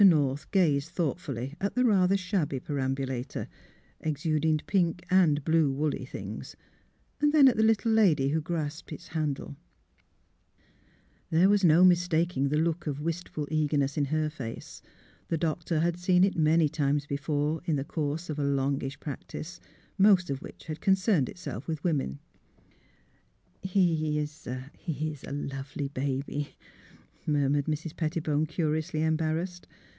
North gazed thoughtfully at the rather shabby perambulator, exuding pink and blue woolly things ; then at the little lady who grasped its handle. There was no mistaking the look of 78 THE HEART OF PHILURA wistful eagerness in her face. The doctor had seen it many times before in the course of a long ish practice, most of which had concerned itself with women. '' He — he's a lovely baby," murmured Mrs. Pettibone, curiously embarrassed.